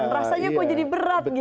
rasanya kok jadi berat gitu